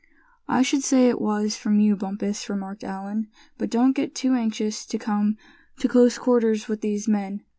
"I should say it was, from you, Bumpus," remarked Allan; "but don't get too anxious to come to close quarters with these men.